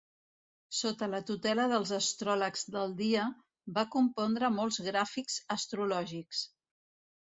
Sota la tutela dels astròlegs del dia, va compondre molts gràfics astrològics.